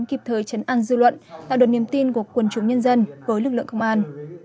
kịp thời trấn an dư luận tạo được niềm tin của quân chủ nhân dân với lực lượng công an